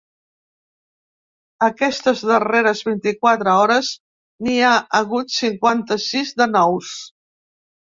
Aquestes darreres vint-i-quatre hores n’hi ha hagut cinquanta-sis de nous.